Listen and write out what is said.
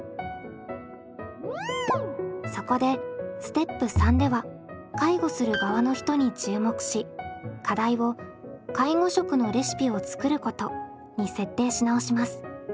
そこでステップ３では介護する側の人に注目し課題を介護食のレシピを作ることに設定し直します。